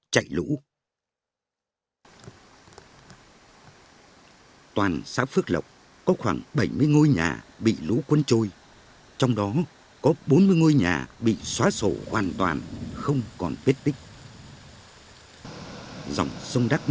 trận lũ ống xảy ra nhiều người dân không kịp trở tay chỉ biết bồng bế nhau